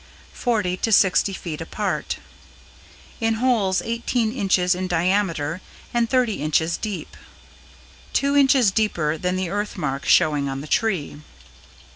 Forty to sixty feet apart. In holes eighteen inches in diameter and thirty inches deep. Two inches deeper than the earth mark showing on the tree.